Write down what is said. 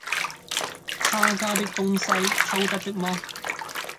他家的東西，偷得的麼？